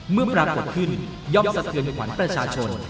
เมื่อปรากฏขึ้นย่อมสะเกินขวัญประชาชน